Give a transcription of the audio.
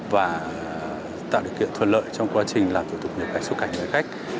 và tạo điều kiện thuận lợi trong quá trình làm thủ tục nhập cảnh xuất cảnh cho hành khách